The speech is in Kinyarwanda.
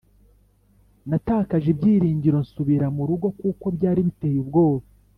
Natakaje ibyiringiro nsubira mu rugo kuko byari biteye ubwoba